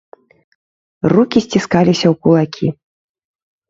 Рукі сціскаліся ў кулакі.